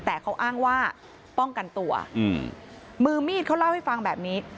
แต่เขาอ้างว่าป้องกันตัวอืมมือมีดเขาเล่าให้ฟังแบบนี้